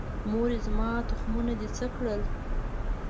مورې، زما تخمونه دې څه کړل؟